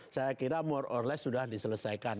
saya kira more or less sudah diselesaikan